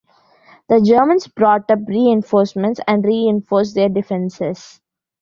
The Germans brought up reinforcements and reinforced their defences.